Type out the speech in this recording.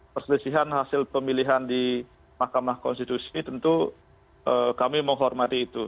perselisihan hasil pemilihan di mahkamah konstitusi tentu kami menghormati itu